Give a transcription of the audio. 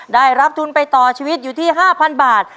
ได้รับทุนไปต่อชีวิตอยู่ที่๕๐๐บาท